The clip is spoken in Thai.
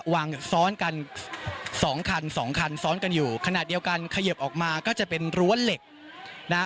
วางซ้อนกันสองคันสองคันซ้อนกันอยู่ขณะเดียวกันเขยิบออกมาก็จะเป็นรั้วเหล็กนะฮะ